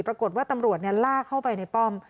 ปรากฏว่าตำรวจลากเข้าไปในป้อม